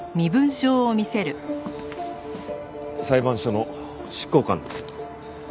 裁判所の執行官です。